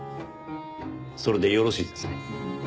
それでよろしいですね？